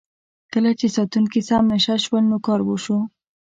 کله چې ساتونکي سم نشه شول نو کار وشو.